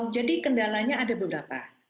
jadi kendalanya ada beberapa